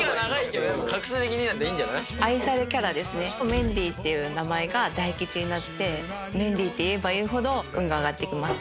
メンディーーっていう名前が大吉になってメンディーーって言えば言うほど運が上がってきます。